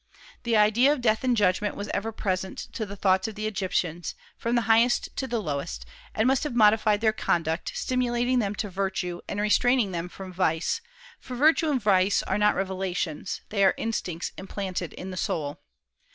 The idea of death and judgment was ever present to the thoughts of the Egyptians, from the highest to the lowest, and must have modified their conduct, stimulating them to virtue, and restraining them from vice; for virtue and vice are not revelations, they are instincts implanted in the soul.